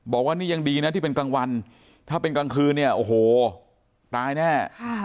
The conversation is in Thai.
บอกว่านี่ยังดีนะที่เป็นกลางวันถ้าเป็นกลางคืนเนี่ยโอ้โหตายแน่